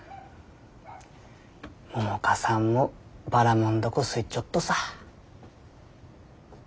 百花さんもばらもん凧好いちょっとさ。